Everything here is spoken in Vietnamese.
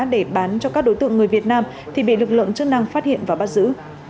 để bán cho các đối tượng người việt nam thì bị lực lượng chức năng phát hiện và bắt giữ